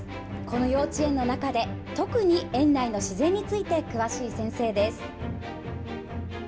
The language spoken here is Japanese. この幼稚園の中で、特に園内の自然について詳しい先生です。